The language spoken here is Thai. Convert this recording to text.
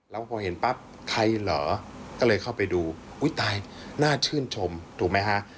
แล้วพอเห็นปั๊บใครเหรอก็เลยเข้าไปดูอุ้ยตายน่าชื่นชมถูกไหมฮะ